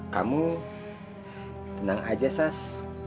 kamu tenang aja sas